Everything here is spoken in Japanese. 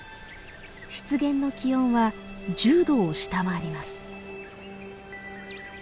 湿原の気温は１０度を下回ります。